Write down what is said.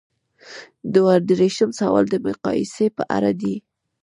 دوه دیرشم سوال د مقایسې په اړه دی.